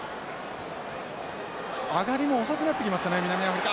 上がりも遅くなってきましたね南アフリカ。